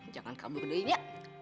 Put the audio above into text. jangan kabur dari dia